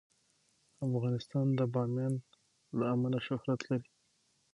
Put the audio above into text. افغانستان د بامیان له امله شهرت لري.